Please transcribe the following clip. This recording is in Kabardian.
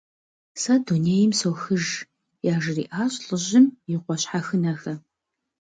Сэ дунейм сохыж, - яжриӏащ лӏыжьым и къуэ щхьэхынэхэм.